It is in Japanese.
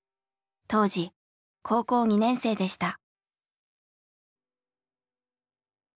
当時高校２年生でした。